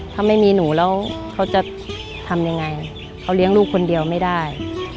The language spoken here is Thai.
ถ้าไม่มีหนูแล้วเขาจะทำยังไง